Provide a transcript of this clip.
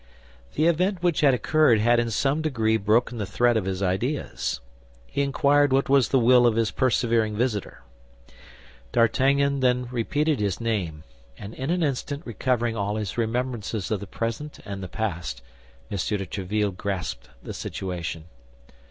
The event which had occurred had in some degree broken the thread of his ideas. He inquired what was the will of his persevering visitor. D'Artagnan then repeated his name, and in an instant recovering all his remembrances of the present and the past, M. de Tréville grasped the situation.